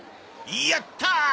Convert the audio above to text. やったー！